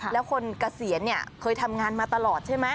แล้วคนเกษียณเนี่ยเคยทำงานมาตลอดใช่ไหม